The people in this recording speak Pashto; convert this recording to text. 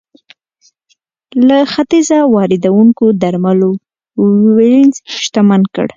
له ختیځه واردېدونکو درملو وینز شتمن کړ.